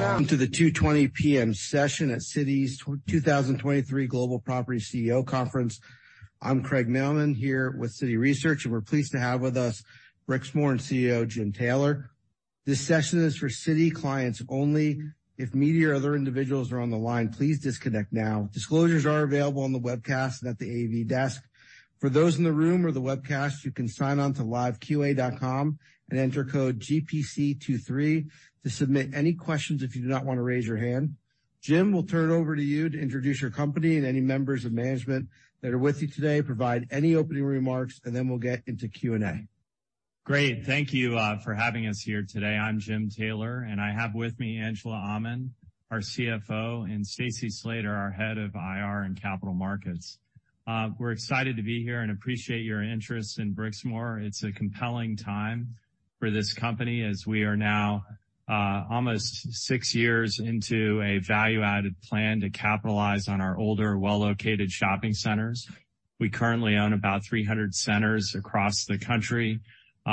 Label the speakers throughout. Speaker 1: Welcome to the 2:20 P.M. session at Citi's 2023 Global Property CEO Conference. I'm Craig Mailman here with Citi Research, and we're pleased to have with us Brixmor CEO, Jim Taylor. This session is for Citi clients only. If media or other individuals are on the line, please disconnect now. Disclosures are available on the webcast and at the AV desk. For those in the room or the webcast, you can sign on to liveqa.com and enter code GPC23 to submit any questions if you do not wanna raise your hand. Jim, we'll turn it over to you to introduce your company and any members of management that are with you today, provide any opening remarks, and then we'll get into Q&A.
Speaker 2: Great. Thank you for having us here today. I'm Jim Taylor. I have with me Angela Aman, our CFO, and Stacy Slater, our head of IR and Capital Markets. We're excited to be here and appreciate your interest in Brixmor. It's a compelling time for this company as we are now almost six years into a value-added plan to capitalize on our older, well-located shopping centers. We currently own about 300 centers across the country. They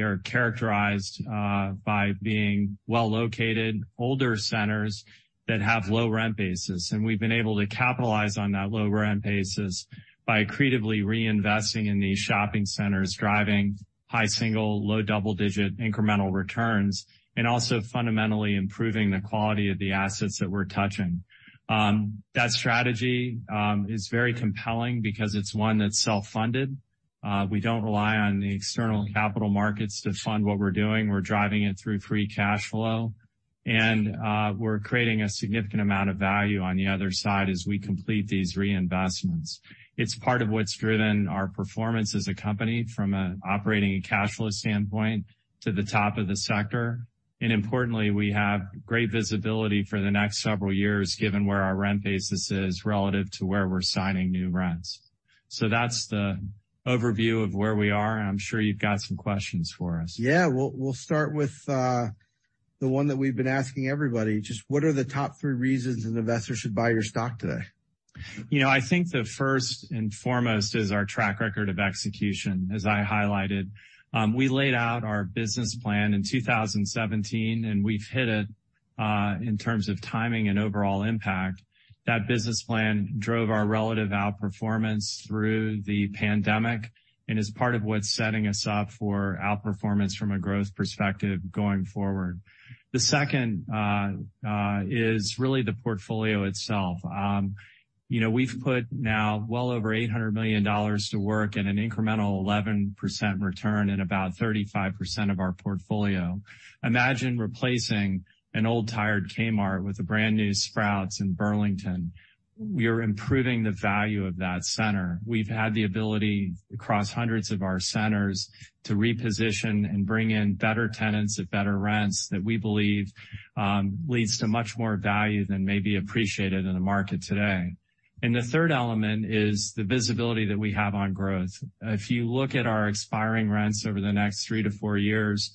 Speaker 2: are characterized by being well-located, older centers that have low rent bases. We've been able to capitalize on that low rent bases by creatively reinvesting in these shopping centers, driving high single, low double-digit incremental returns, and also fundamentally improving the quality of the assets that we're touching. That strategy is very compelling because it's one that's self-funded. We don't rely on the external capital markets to fund what we're doing. We're driving it through free cash flow, we're creating a significant amount of value on the other side as we complete these reinvestments. It's part of what's driven our performance as a company from an operating and cash flow standpoint to the top of the sector. Importantly, we have great visibility for the next several years, given where our rent basis is relative to where we're signing new rents. That's the overview of where we are, and I'm sure you've got some questions for us.
Speaker 1: Yeah. We'll start with the one that we've been asking everybody. Just what are the top three reasons an investor should buy your stock today?
Speaker 2: You know, I think the first and foremost is our track record of execution, as I highlighted. We laid out our business plan in 2017, we've hit it in terms of timing and overall impact. That business plan drove our relative outperformance through the pandemic and is part of what's setting us up for outperformance from a growth perspective going forward. The second is really the portfolio itself. You know, we've put now well over $800 million to work and an incremental 11% return in about 35% of our portfolio. Imagine replacing an old tired Kmart with a brand new Sprouts in Burlington. We are improving the value of that center. We've had the ability across hundreds of our centers to reposition and bring in better tenants at better rents that we believe leads to much more value than may be appreciated in the market today. The third element is the visibility that we have on growth. If you look at our expiring rents over the next 3-4 years,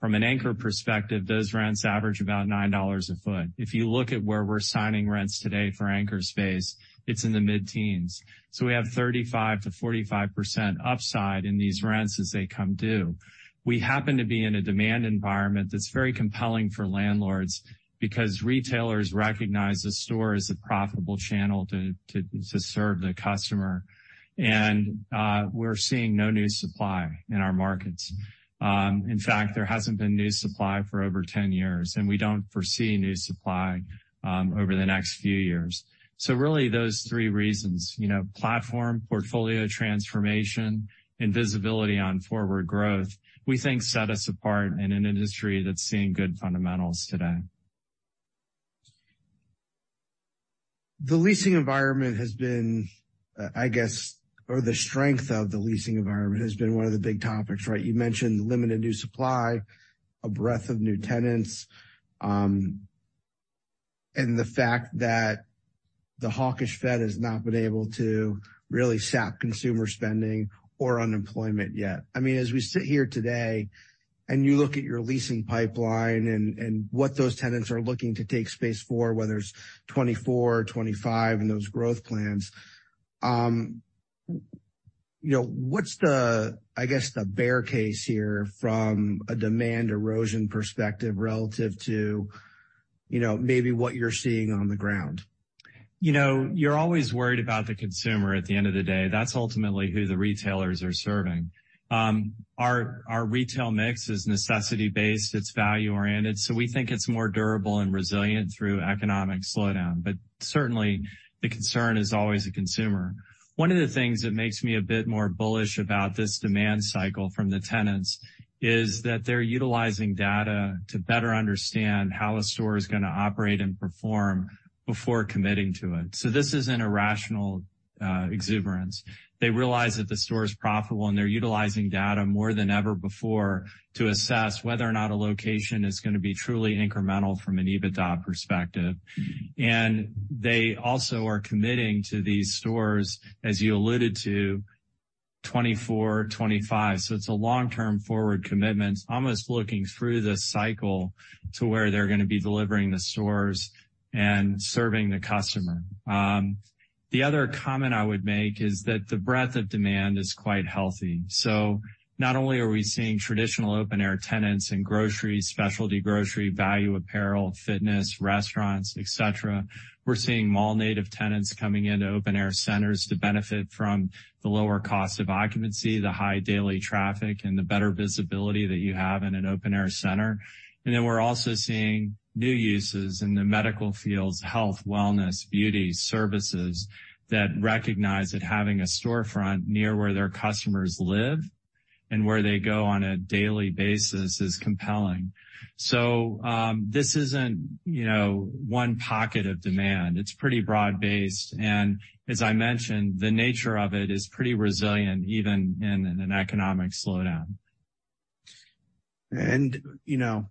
Speaker 2: from an anchor perspective, those rents average about $9 a foot. If you look at where we're signing rents today for anchor space, it's in the mid-teens. We have 35%-45% upside in these rents as they come due. We happen to be in a demand environment that's very compelling for landlords because retailers recognize the store as a profitable channel to serve the customer. We're seeing no new supply in our markets. In fact, there hasn't been new supply for over 10 years, and we don't foresee new supply over the next few years. Really those three reasons, you know, platform, portfolio transformation, and visibility on forward growth, we think set us apart in an industry that's seeing good fundamentals today.
Speaker 1: The leasing environment has been or the strength of the leasing environment has been one of the big topics, right? You mentioned limited new supply, a breadth of new tenants, and the fact that the hawkish Fed has not been able to really sap consumer spending or unemployment yet. I mean, as we sit here today and you look at your leasing pipeline and what those tenants are looking to take space for, whether it's 2024, 2025, and those growth plans, you know, what's the, I guess, the bear case here from a demand erosion perspective relative to, you know, maybe what you're seeing on the ground?
Speaker 2: You know, you're always worried about the consumer at the end of the day. That's ultimately who the retailers are serving. Our retail mix is necessity-based, it's value-oriented, we think it's more durable and resilient through economic slowdown. Certainly, the concern is always the consumer. One of the things that makes me a bit more bullish about this demand cycle from the tenants is that they're utilizing data to better understand how a store is gonna operate and perform before committing to it. This isn't a rational exuberance. They realize that the store is profitable, they're utilizing data more than ever before to assess whether or not a location is gonna be truly incremental from an EBITDA perspective. They also are committing to these stores, as you alluded to-2024, 2025. It's a long-term forward commitment, almost looking through the cycle to where they're gonna be delivering the stores and serving the customer. The other comment I would make is that the breadth of demand is quite healthy. Not only are we seeing traditional open-air tenants in groceries, specialty grocery, value apparel, fitness, restaurants, et cetera, we're seeing mall native tenants coming into open-air centers to benefit from the lower cost of occupancy, the high daily traffic and the better visibility that you have in an open-air center. Then we're also seeing new uses in the medical fields, health, wellness, beauty services that recognize that having a storefront near where their customers live and where they go on a daily basis is compelling. This isn't, you know, one pocket of demand. It's pretty broad-based, and as I mentioned, the nature of it is pretty resilient, even in an economic slowdown.
Speaker 1: You know,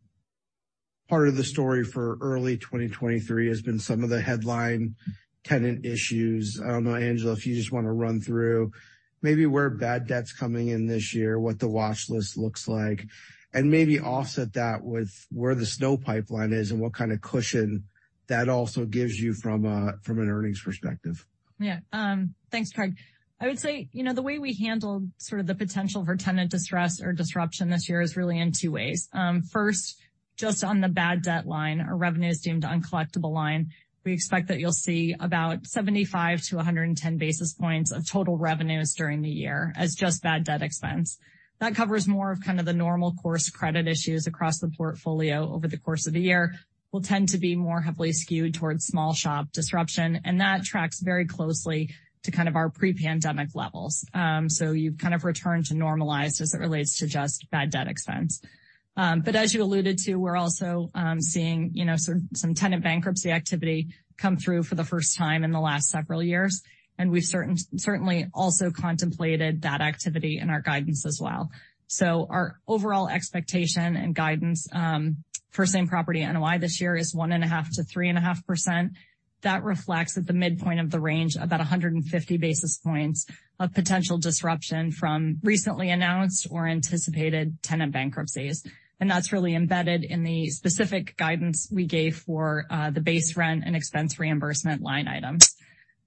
Speaker 1: part of the story for early 2023 has been some of the headline tenant issues. I don't know, Angela, if you just wanna run through maybe where bad debt's coming in this year, what the watch list looks like, and maybe offset that with where the SNO pipeline is and what kind of cushion that also gives you from an earnings perspective?
Speaker 3: Thanks, Craig. I would say, you know, the way we handle sort of the potential for tenant distress or disruption this year is really in two ways. First, just on the bad debt line or revenues deemed uncollectible line, we expect that you'll see about 75 to 110 basis points of total revenues during the year as just bad debt expense. That covers more of kind of the normal course credit issues across the portfolio over the course of the year, will tend to be more heavily skewed towards small shop disruption, and that tracks very closely to kind of our pre-pandemic levels. You've kind of returned to normalized as it relates to just bad debt expense. As you alluded to, we're also, you know, some tenant bankruptcy activity come through for the first time in the last several years, and we've certainly also contemplated that activity in our guidance as well. Our overall expectation and guidance for same property NOI this year is 1.5% to 3.5%. That reflects at the midpoint of the range about 150 basis points of potential disruption from recently announced or anticipated tenant bankruptcies. That's really embedded in the specific guidance we gave for the base rent and expense reimbursement line items.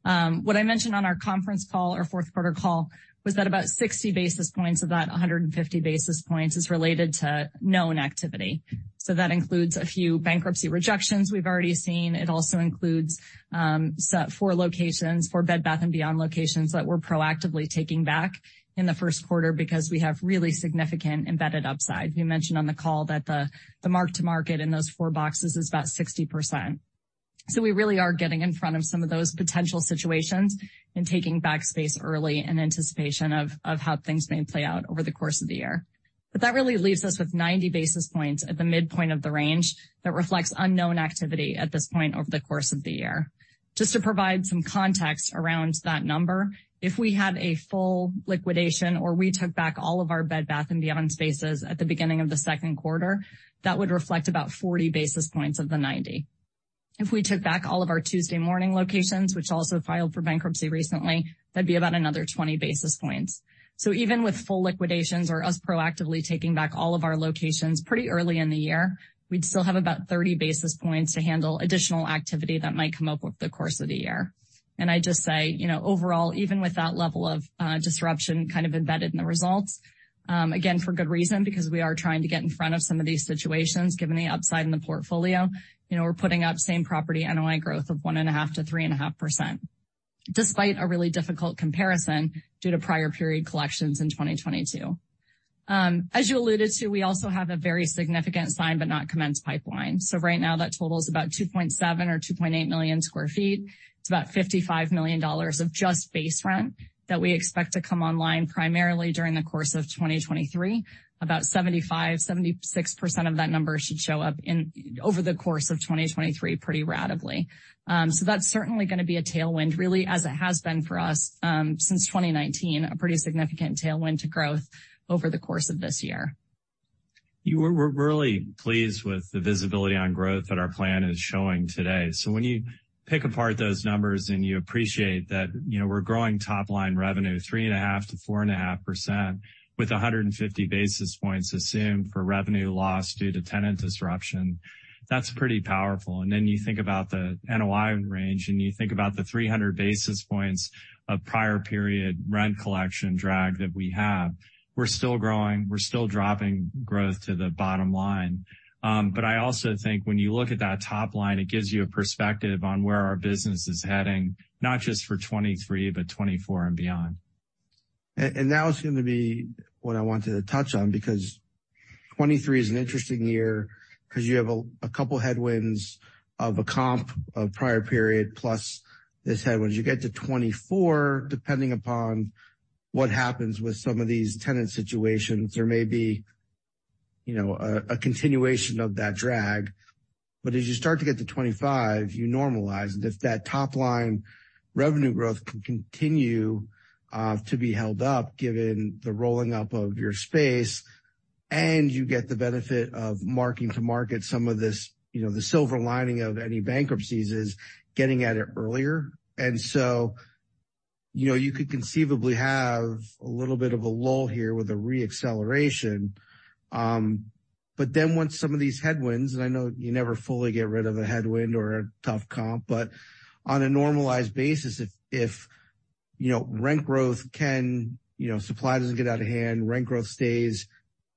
Speaker 3: What I mentioned on our conference call, our fourth quarter call, was that about 60 basis points of that 150 basis points is related to known activity. That includes a few bankruptcy rejections we've already seen. It also includes, four locations, four Bed Bath & Beyond locations that we're proactively taking back in the first quarter because we have really significant embedded upside. You mentioned on the call that the mark-to-market in those four boxes is about 60%. We really are getting in front of some of those potential situations and taking back space early in anticipation of how things may play out over the course of the year. That really leaves us with 90 basis points at the midpoint of the range that reflects unknown activity at this point over the course of the year. Just to provide some context around that number, if we had a full liquidation or we took back all of our Bed Bath & Beyond spaces at the beginning of the second quarter, that would reflect about 40 basis points of the 90. If we took back all of our Tuesday Morning locations, which also filed for bankruptcy recently, that'd be about another 20 basis points. Even with full liquidations or us proactively taking back all of our locations pretty early in the year, we'd still have about 30 basis points to handle additional activity that might come up over the course of the year. I'd just say, you know, overall, even with that level of disruption kind of embedded in the results, again, for good reason, because we are trying to get in front of some of these situations, given the upside in the portfolio, you know, we're putting up same property NOI growth of 1.5%-3.5%, despite a really difficult comparison due to prior period collections in 2022. As you alluded to, we also have a very significant signed but not commenced pipeline. Right now that totals about 2.7 million-2.8 million sq ft. It's about $55 million of just base rent that we expect to come online primarily during the course of 2023. About 75%-76% of that number should show up over the course of 2023 pretty ratably. That's certainly gonna be a tailwind, really, as it has been for us, since 2019, a pretty significant tailwind to growth over the course of this year.
Speaker 2: We're really pleased with the visibility on growth that our plan is showing today. When you pick apart those numbers and you appreciate that, you know, we're growing top line revenue 3.5%-4.5% with 150 basis points assumed for revenue loss due to tenant disruption, that's pretty powerful. Then you think about the NOI range, and you think about the 300 basis points of prior period rent collection drag that we have. We're still growing, we're still dropping growth to the bottom line. I also think when you look at that top line, it gives you a perspective on where our business is heading, not just for 2023, but 2024 and beyond.
Speaker 1: That was gonna be what I wanted to touch on because 2023 is an interesting year because you have a couple headwinds of a comp of prior period plus this headwinds. You get to 2024, depending upon what happens with some of these tenant situations, there may be, you know, a continuation of that drag. As you start to get to 2025, you normalize. If that top line revenue growth can continue to be held up given the rolling up of your space. You get the benefit of marking to market some of this. You know, the silver lining of any bankruptcies is getting at it earlier. You know, you could conceivably have a little bit of a lull here with a re-acceleration. Once some of these headwinds and I know you never fully get rid of a headwind or a tough comp, but on a normalized basis, if, you know, rent growth can, you know, supply doesn't get out of hand, rent growth stays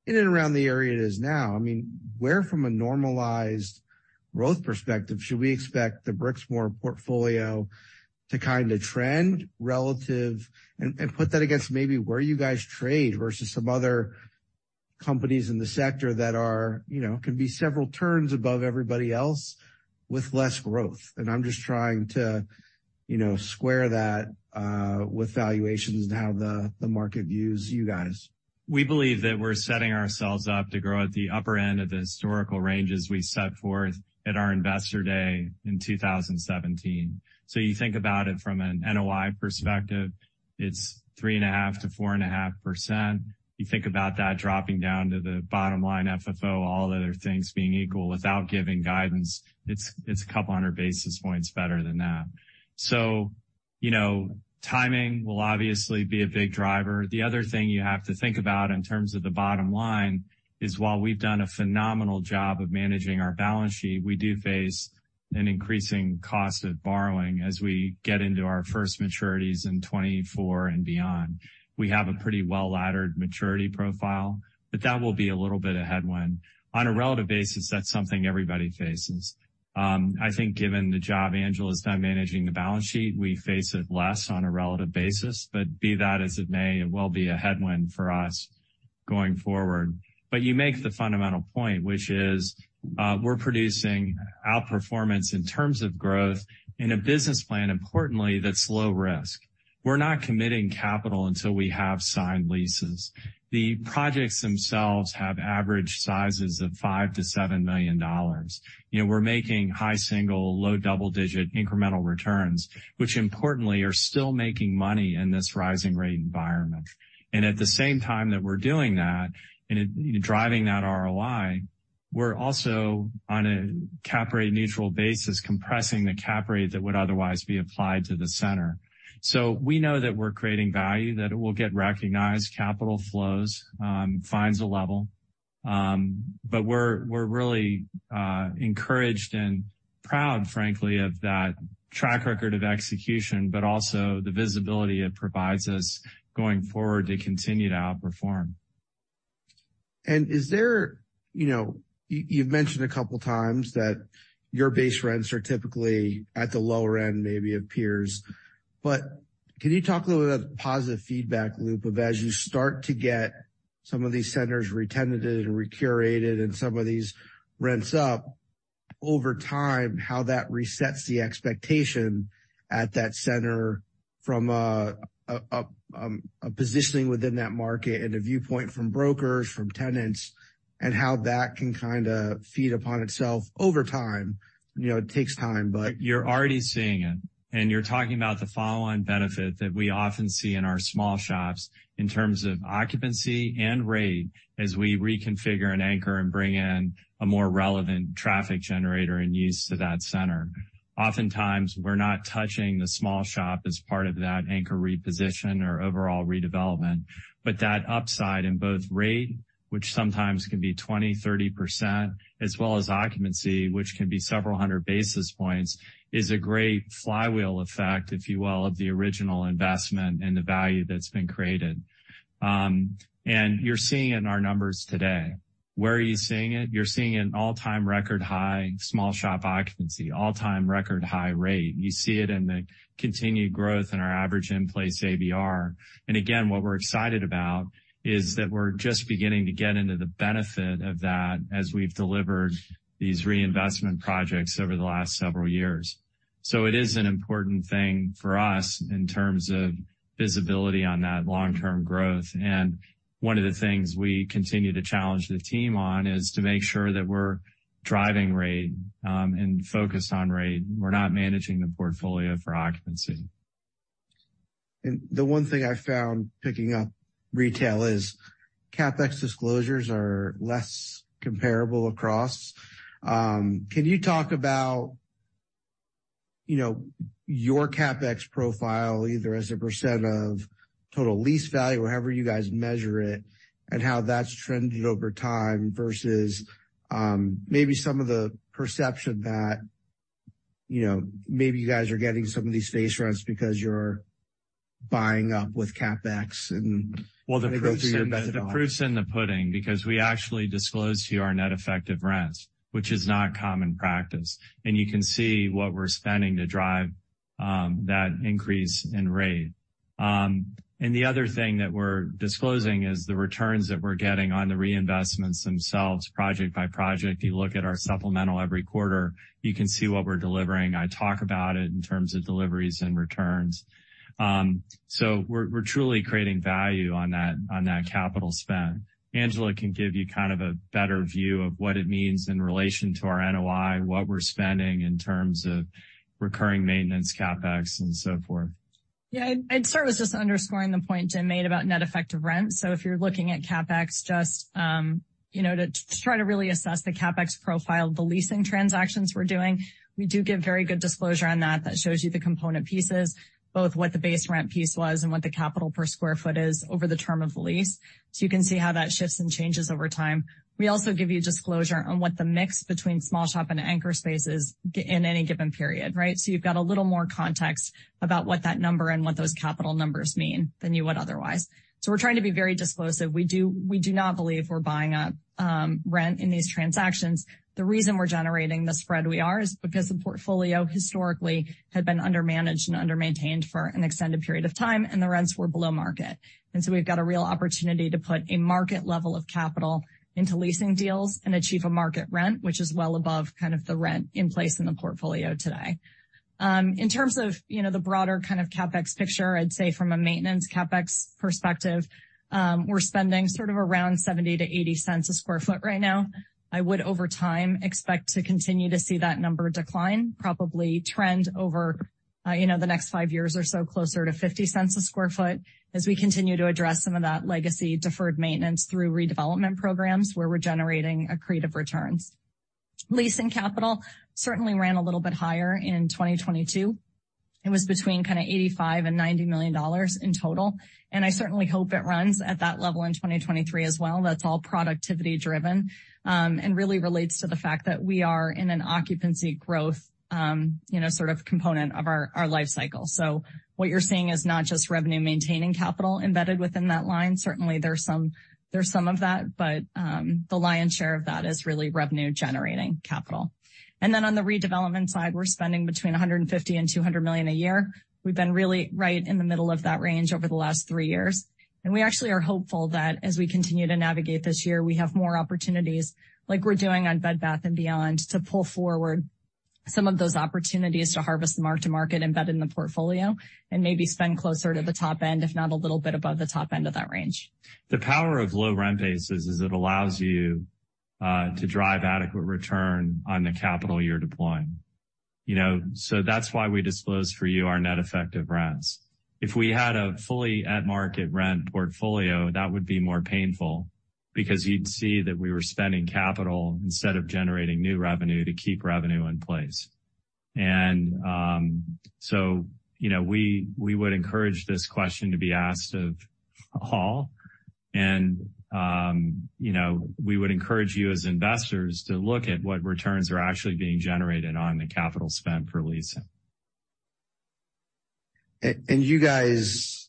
Speaker 1: in and around the area it is now. I mean, where from a normalized growth perspective should we expect the Brixmor portfolio to kind of trend relative and put that against maybe where you guys trade versus some other companies in the sector that are, you know, can be several turns above everybody else with less growth. I'm just trying to, you know, square that with valuations and how the market views you guys.
Speaker 2: We believe that we're setting ourselves up to grow at the upper end of the historical ranges we set forth at our investor day in 2017. You think about it from an NOI perspective, it's 3.5%-4.5%. You think about that dropping down to the bottom line, FFO, all other things being equal without giving guidance, it's 200 basis points better than that. You know, timing will obviously be a big driver. The other thing you have to think about in terms of the bottom line is while we've done a phenomenal job of managing our balance sheet, we do face an increasing cost of borrowing as we get into our first maturities in 2024 and beyond. We have a pretty well laddered maturity profile, but that will be a little bit of headwind. On a relative basis, that's something everybody faces. I think given the job Angela's done managing the balance sheet, we face it less on a relative basis. Be that as it may, it will be a headwind for us going forward. You make the fundamental point, which is, we're producing outperformance in terms of growth in a business plan importantly that's low risk. We're not committing capital until we have signed leases. The projects themselves have average sizes of $5 million-$7 million. You know, we're making high single, low double-digit incremental returns, which importantly are still making money in this rising rate environment. At the same time that we're doing that and driving that ROI, we're also on a cap rate neutral basis, compressing the cap rate that would otherwise be applied to the center. We know that we're creating value, that it will get recognized. Capital flows finds a level. We're really encouraged and proud, frankly, of that track record of execution, but also the visibility it provides us going forward to continue to outperform.
Speaker 1: Is there, you know, you've mentioned a couple of times that your base rents are typically at the lower end, maybe of peers? Can you talk a little bit about the positive feedback loop of as you start to get some of these centers re-tenanted and recurated and some of these rents up over time, how that resets the expectation at that center from a positioning within that market and a viewpoint from brokers, from tenants, and how that can kind of feed upon itself over time? You know, it takes time, but...
Speaker 2: You're already seeing it. You're talking about the follow-on benefit that we often see in our small shops in terms of occupancy and rate as we reconfigure an anchor and bring in a more relevant traffic generator and use to that center. Oftentimes we're not touching the small shop as part of that anchor reposition or overall redevelopment. That upside in both rate, which sometimes can be 20%-30%, as well as occupancy, which can be several hundred basis points, is a great flywheel effect, if you will, of the original investment and the value that's been created. You're seeing it in our numbers today. Where are you seeing it? You're seeing an all-time record high small shop occupancy, all-time record high rate. You see it in the continued growth in our average in place AVR. Again, what we're excited about is that we're just beginning to get into the benefit of that as we've delivered these reinvestment projects over the last several years. It is an important thing for us in terms of visibility on that long term growth. One of the things we continue to challenge the team on is to make sure that we're driving rate and focused on rate. We're not managing the portfolio for occupancy.
Speaker 1: The one thing I found picking up retail is CapEx disclosures are less comparable across. Can you talk about, you know, your CapEx profile either as a % of total lease value or however you guys measure it, and how that's trended over time versus, maybe some of the perception that, you know, maybe you guys are getting some of these base rents because you're buying up with CapEx?
Speaker 2: Well, the proof's in the pudding because we actually disclose to you our net effective rent, which is not common practice. You can see what we're spending to drive that increase in rate. The other thing that we're disclosing is the returns that we're getting on the reinvestments themselves project by project. If you look at our supplemental every quarter, you can see what we're delivering. I talk about it in terms of deliveries and returns. We're truly creating value on that capital spend. Angela can give you kind of a better view of what it means in relation to our NOI, what we're spending in terms of recurring maintenance, CapEx and so forth.
Speaker 3: I'd start with just underscoring the point Jim made about net effective rent. If you're looking at CapEx, just, you know, to try to really assess the CapEx profile of the leasing transactions we're doing, we do give very good disclosure on that. That shows you the component pieces, both what the base rent piece was and what the capital per square foot is over the term of the lease. You can see how that shifts and changes over time. We also give you disclosure on what the mix between small shop and anchor space is in any given period, right? You've got a little more context about what that number and what those capital numbers mean than you would otherwise. We're trying to be very disclosed that we do not believe we're buying up, rent in these transactions. The reason we're generating the spread we are is because the portfolio historically had been undermanaged and undermaintained for an extended period of time, and the rents were below market. We've got a real opportunity to put a market level of capital into leasing deals and achieve a market rent, which is well above kind of the rent in place in the portfolio today. In terms of, you know, the broader kind of CapEx picture, I'd say from a maintenance CapEx perspective, we're spending sort of around $0.70-$0.80 a sq ft right now. I would, over time, expect to continue to see that number decline, probably trend over, you know, the next five years or so, closer to $0.50 a sq ft as we continue to address some of that legacy deferred maintenance through redevelopment programs where we're generating accretive returns. Leasing capital certainly ran a little bit higher in 2022. It was between kind of $85 million and $90 million in total. I certainly hope it runs at that level in 2023 as well. That's all productivity driven, and really relates to the fact that we are in an occupancy growth, you know, sort of component of our life cycle. What you're seeing is not just revenue maintaining capital embedded within that line. Certainly, there's some of that, but the lion's share of that is really revenue generating capital. On the redevelopment side, we're spending between $150 million and $200 million a year. We've been really right in the middle of that range over the last three years. We actually are hopeful that as we continue to navigate this year, we have more opportunities, like we're doing on Bed Bath & Beyond, to pull forward some of those opportunities to harvest the mark-to-market embedded in the portfolio and maybe spend closer to the top end, if not a little bit above the top end of that range.
Speaker 2: The power of low rent bases is it allows you to drive adequate return on the capital you're deploying. You know? That's why we disclose for you our net effective rent. If we had a fully at market rent portfolio, that would be more painful because you'd see that we were spending capital instead of generating new revenue to keep revenue in place. You know, we would encourage this question to be asked of all. You know, we would encourage you as investors to look at what returns are actually being generated on the capital spend per leasing.
Speaker 1: You guys,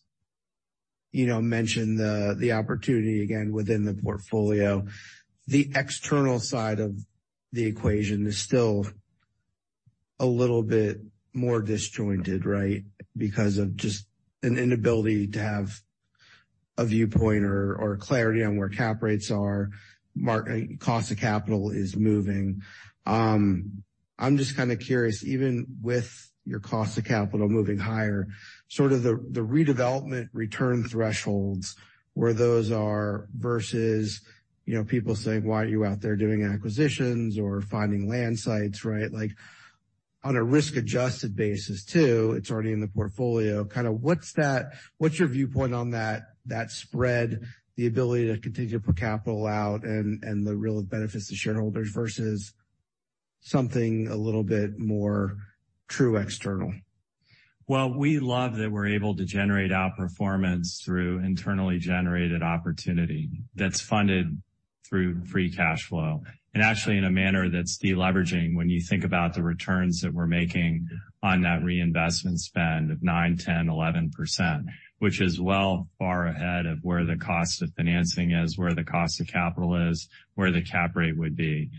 Speaker 1: you know, mentioned the opportunity again within the portfolio. The external side of the equation is still a little bit more disjointed, right? Because of just an inability to have a viewpoint or clarity on where cap rates are, cost of capital is moving. I'm just kinda curious, even with your cost of capital moving higher, sort of the redevelopment return thresholds where those are versus, you know, people saying, "Why are you out there doing acquisitions or finding land sites," right? Like, on a risk-adjusted basis too, it's already in the portfolio. Kinda what's your viewpoint on that spread, the ability to continue to put capital out and the real benefits to shareholders versus something a little bit more true external?
Speaker 2: We love that we're able to generate outperformance through internally generated opportunity that's funded through free cash flow, and actually in a manner that's deleveraging when you think about the returns that we're making on that reinvestment spend of 9%, 10%, 11%, which is well far ahead of where the cost of financing is, where the cost of capital is, where the cap rate would be.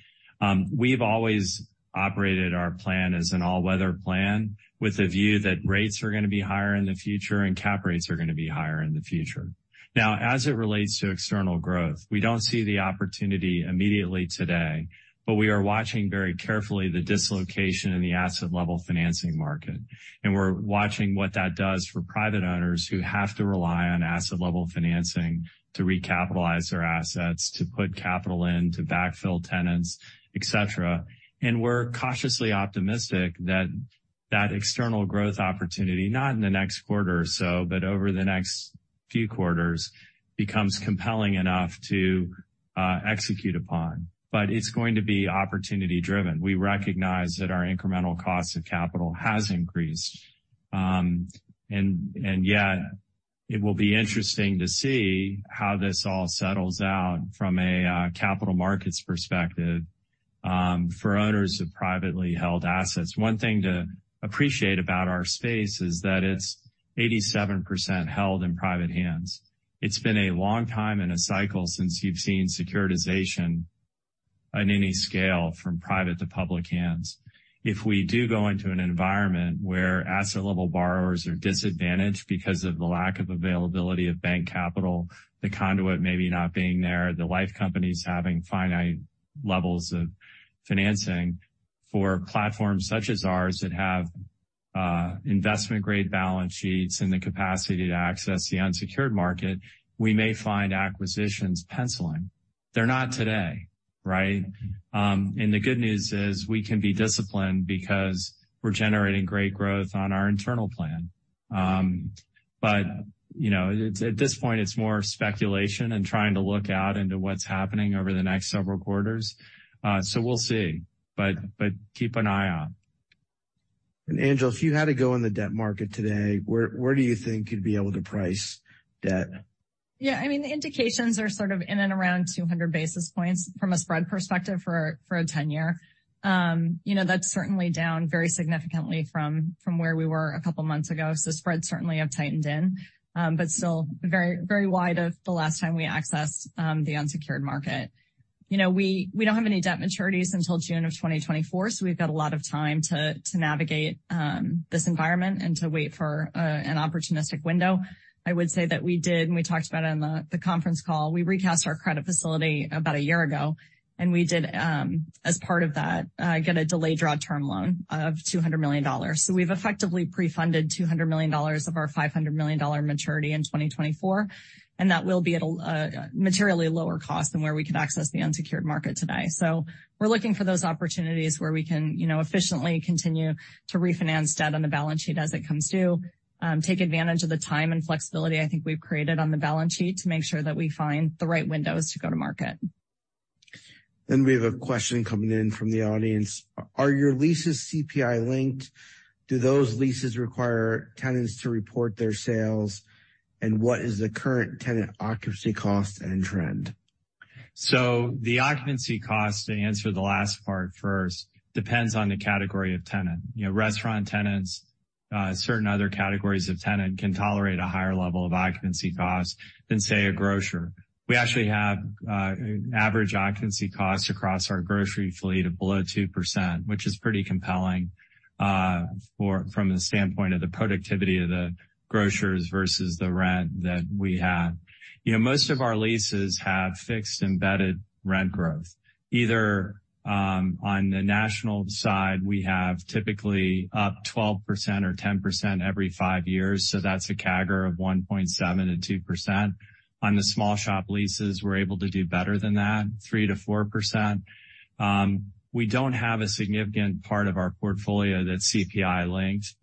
Speaker 2: We've always operated our plan as an all-weather plan with a view that rates are gonna be higher in the future and cap rates are gonna be higher in the future. As it relates to external growth, we don't see the opportunity immediately today, but we are watching very carefully the dislocation in the asset level financing market. We're watching what that does for private owners who have to rely on asset level financing to recapitalize their assets, to put capital in, to backfill tenants, et cetera. We're cautiously optimistic that that external growth opportunity, not in the next quarter or so, but over the next few quarters, becomes compelling enough to execute upon. It's going to be opportunity driven. We recognize that our incremental cost of capital has increased, and yet it will be interesting to see how this all settles out from a capital markets perspective for owners of privately held assets. One thing to appreciate about our space is that it's 87% held in private hands. It's been a long time in a cycle since you've seen securitization on any scale from private to public hands. If we do go into an environment where asset level borrowers are disadvantaged because of the lack of availability of bank capital, the conduit maybe not being there, the life companies having finite levels of financing for platforms such as ours that have investment-grade balance sheets and the capacity to access the unsecured market, we may find acquisitions penciling. They're not today, right? The good news is we can be disciplined because we're generating great growth on our internal plan. You know, at this point, it's more speculation and trying to look out into what's happening over the next several quarters. We'll see. Keep an eye on.
Speaker 1: Angela, if you had to go in the debt market today, where do you think you'd be able to price debt?
Speaker 3: I mean, the indications are sort of in and around 200 basis points from a spread perspective for a 10-year. You know, that's certainly down very significantly from where we were a couple months ago. The spreads certainly have tightened in, but still very wide of the last time we accessed the unsecured market. You know, we don't have any debt maturities until June of 2024. We've got a lot of time to navigate this environment and to wait for an opportunistic window. I would say that we did, and we talked about it on the conference call. We recast our credit facility about a year ago, and we did, as part of that, get a delayed draw term loan of $200 million. We've effectively pre-funded $200 million of our $500 million maturity in 2024, and that will be at a materially lower cost than where we can access the unsecured market today. We're looking for those opportunities where we can, you know, efficiently continue to refinance debt on the balance sheet as it comes due, take advantage of the time and flexibility I think we've created on the balance sheet to make sure that we find the right windows to go to market.
Speaker 1: We have a question coming in from the audience. Are your leases CPI linked? Do those leases require tenants to report their sales? What is the current tenant occupancy cost and trend?
Speaker 2: The occupancy cost, to answer the last part first, depends on the category of tenant. You know, restaurant tenants, certain other categories of tenant can tolerate a higher level of occupancy cost than, say, a grocer. We actually have an average occupancy cost across our grocery fleet of below 2%, which is pretty compelling from the standpoint of the productivity of the grocers versus the rent that we have. You know, most of our leases have fixed embedded rent growth. Either, on the national side, we have typically up 12% or 10% every 5 years, so that's a CAGR of 1.7%-2%. On the small shop leases, we're able to do better than that, 3%-4%. We don't have a significant part of our portfolio that's CPI linked.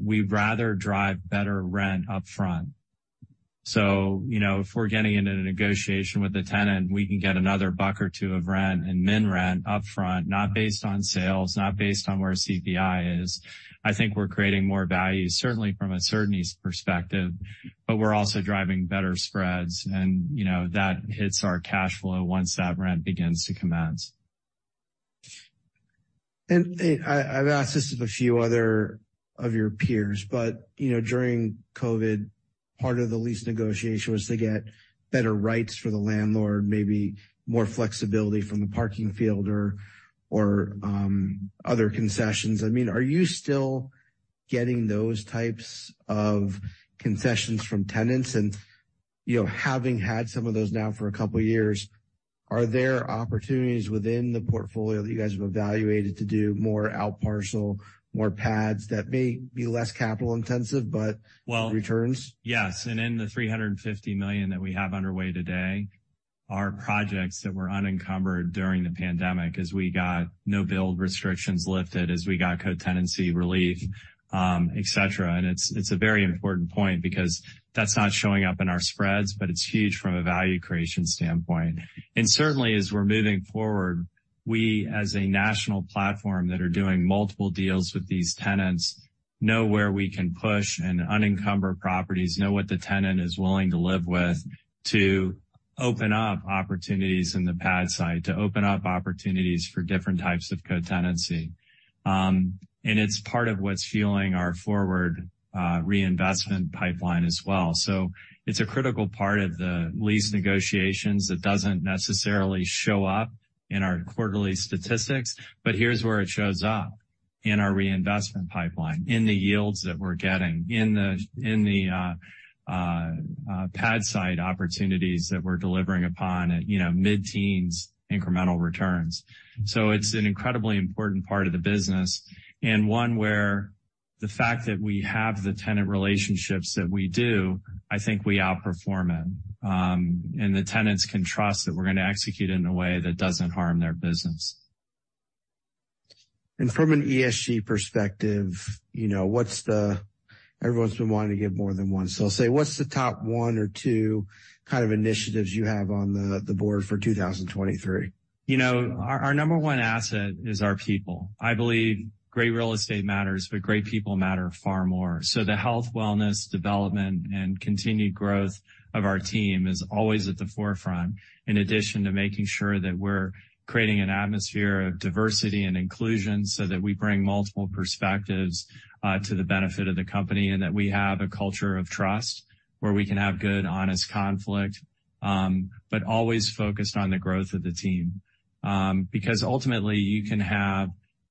Speaker 2: We'd rather drive better rent up front. You know, if we're getting into a negotiation with a tenant, we can get another $1 or $2 of rent and min rent up front, not based on sales, not based on where CPI is. I think we're creating more value, certainly from a certainties perspective, but we're also driving better spreads and, you know, that hits our cash flow once that rent begins to commence.
Speaker 1: I've asked this of a few other of your peers, but, you know, during COVID, part of the lease negotiation was to get better rights for the landlord, maybe more flexibility from the parking field or other concessions. I mean, are you still getting those types of concessions from tenants? You know, having had some of those now for two years, are there opportunities within the portfolio that you guys have evaluated to do more out parcel, more pads that may be less capital intensive-
Speaker 2: Well-
Speaker 1: -returns?
Speaker 2: Yes. In the $350 million that we have underway today are projects that were unencumbered during the pandemic as we got no build restrictions lifted, as we got co-tenancy relief, et cetera. It's a very important point because that's not showing up in our spreads, but it's huge from a value creation standpoint. Certainly, as we're moving forward, we, as a national platform that are doing multiple deals with these tenants, know where we can push and unencumber properties, know what the tenant is willing to live with to open up opportunities in the pad site, to open up opportunities for different types of co-tenancy. It's part of what's fueling our forward, reinvestment pipeline as well. It's a critical part of the lease negotiations that doesn't necessarily show up in our quarterly statistics, but here's where it shows up, in our reinvestment pipeline, in the yields that we're getting, in the pad site opportunities that we're delivering upon at, you know, mid-teens incremental returns. It's an incredibly important part of the business and one where the fact that we have the tenant relationships that we do, I think we outperform in. The tenants can trust that we're gonna execute in a way that doesn't harm their business.
Speaker 1: From an ESG perspective, you know, everyone's been wanting to give more than one, so I'll say what's the top one or two kind of initiatives you have on the board for 2023?
Speaker 2: You know, our number one asset is our people. I believe great real estate matters, great people matter far more. The health, wellness, development, and continued growth of our team is always at the forefront, in addition to making sure that we're creating an atmosphere of diversity and inclusion so that we bring multiple perspectives to the benefit of the company, and that we have a culture of trust where we can have good, honest conflict, but always focused on the growth of the team. Ultimately, you can have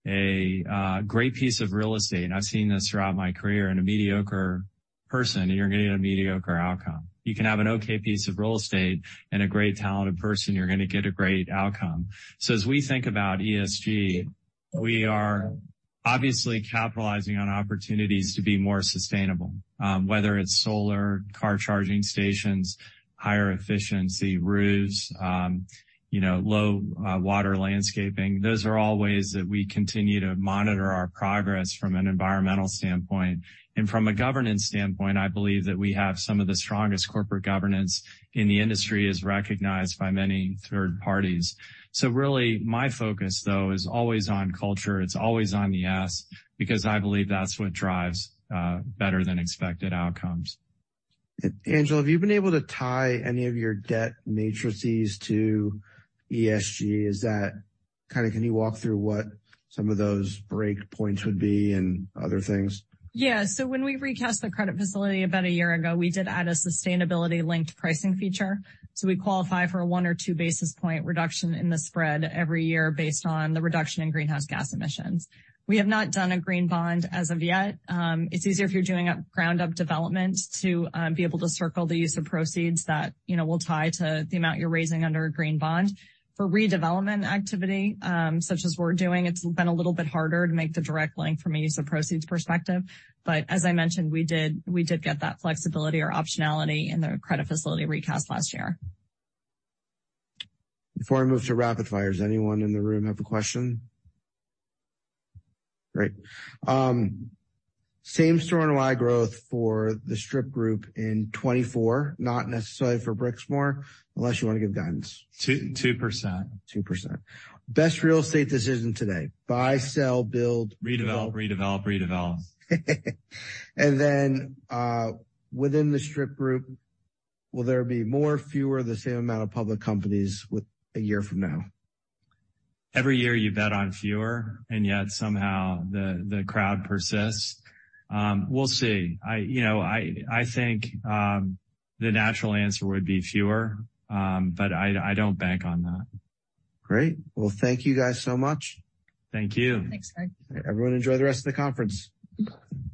Speaker 2: a great piece of real estate, and I've seen this throughout my career, and a mediocre person, and you're gonna get a mediocre outcome. You can have an okay piece of real estate and a great talented person, you're gonna get a great outcome. As we think about ESG, we are obviously capitalizing on opportunities to be more sustainable, whether it's solar, car charging stations, higher efficiency roofs, you know, low water landscaping. Those are all ways that we continue to monitor our progress from an environmental standpoint. From a governance standpoint, I believe that we have some of the strongest corporate governance in the industry, as recognized by many third parties. Really my focus though is always on culture. It's always on the S, because I believe that's what drives better than expected outcomes.
Speaker 1: Angela, have you been able to tie any of your debt metrics to ESG? Kind of, can you walk through what some of those break points would be and other things?
Speaker 3: Yeah. When we recast the credit facility about a year ago, we did add a sustainability linked pricing feature. We qualify for 1 or 2 basis point reduction in the spread every year based on the reduction in greenhouse gas emissions. We have not done a green bond as of yet. It's easier if you're doing a ground up development to be able to circle the use of proceeds that, you know, will tie to the amount you're raising under a green bond. For redevelopment activity, such as we're doing, it's been a little bit harder to make the direct link from a use of proceeds perspective. As I mentioned, we did get that flexibility or optionality in the credit facility recast last year.
Speaker 1: Before I move to rapid fire, does anyone in the room have a question? Great. Same store wide growth for the strip group in 2024, not necessarily for Brixmor, unless you want to give guidance.
Speaker 2: 2%.
Speaker 1: 2%. Best real estate decision today. Buy, sell, build.
Speaker 2: Redevelop, redevelop.
Speaker 1: Within the strip group, will there be more, fewer, the same amount of public companies a year from now?
Speaker 2: Every year you bet on fewer, and yet somehow the crowd persists. We'll see. I, you know, I think the natural answer would be fewer, but I don't bank on that.
Speaker 1: Great. Well, thank you guys so much.
Speaker 2: Thank you.
Speaker 3: Thanks, Craig.
Speaker 1: Everyone enjoy the rest of the conference.
Speaker 3: Yeah.